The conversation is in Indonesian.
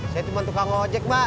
saya cuma tukang ojek mbak